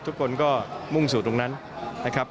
ทุกคนก็มุ่งสู่ตรงนั้นนะครับ